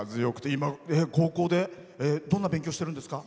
今、高校でどんな勉強をしてるんですか？